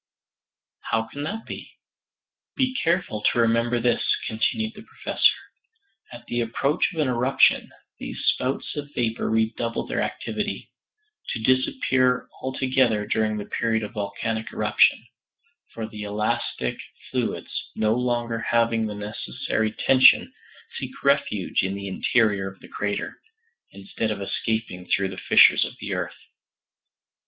"How can that be?" "Be careful to remember this," continued the Professor. "At the approach of an eruption these spouts of vapor redouble their activity to disappear altogether during the period of volcanic eruption; for the elastic fluids, no longer having the necessary tension, seek refuge in the interior of the crater, instead of escaping through the fissures of the earth.